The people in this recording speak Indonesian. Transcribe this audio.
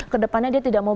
ke depannya dia tidak mau